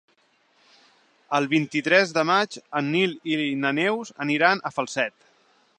El vint-i-tres de maig en Nil i na Neus aniran a Falset.